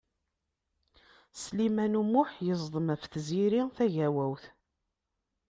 Sliman U Muḥ yeẓdem ɣef Tiziri Tagawawt.